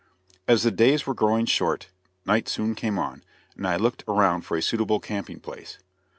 As the days were growing short, night soon came on, and I looked around for a suitable camping place.